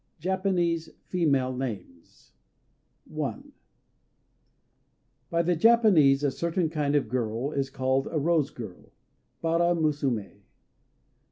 Japanese Female Names [Decoration] I BY the Japanese a certain kind of girl is called a Rose Girl, Bara Musumé.